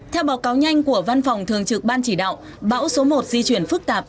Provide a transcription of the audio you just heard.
theo báo cáo nhanh của văn phòng thường trực ban chỉ đạo bão số một di chuyển phức tạp